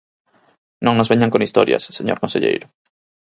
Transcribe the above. Non nos veñan con historias, señor conselleiro.